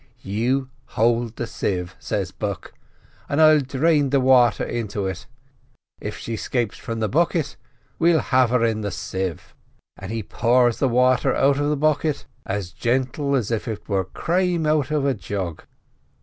"'You hold the sieve,' says Buck, 'and I'll drain the water into it; if she 'scapes from the bucket we'll have her in the sieve.' And he pours the wather out of the bucket as gentle as if it was crame out of a jug.